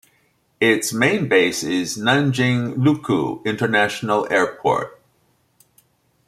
Its main base is Nanjing Lukou International Airport.